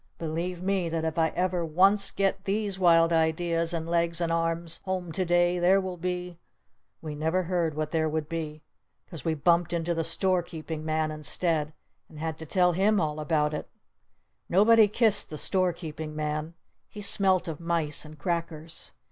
Believe me that if I ever once get these wild ideas and legs and arms home to day there will be " We never heard what there would be! 'Cause we bumped into the Store Keeping Man instead! And had to tell him all about it! Nobody kissed the Store Keeping Man. He smelt of mice and crackers.